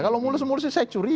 kalau mulus mulus saya curi